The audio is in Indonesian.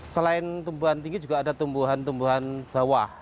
selain tumbuhan tinggi juga ada tumbuhan tumbuhan bawah